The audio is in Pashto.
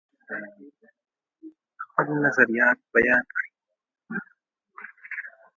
خپل نظریات بیان کړم.